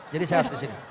jadi saya harus di sini